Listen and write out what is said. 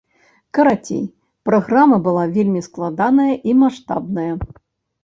Карацей, праграма была вельмі складаная і маштабная.